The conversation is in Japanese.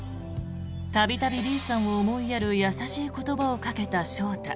度々Ｂさんを思いやる優しい言葉をかけた翔太。